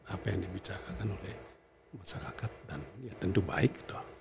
apa yang dibicarakan oleh masyarakat dan ya tentu baik